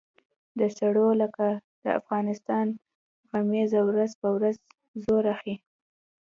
د سړو لکه د افغانستان غمیزه ورځ په ورځ زور اخیست.